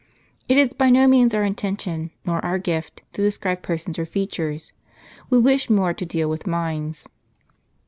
It is by no means our intention, nor our gift, to describe persons or features ; we wish more to deal with minds.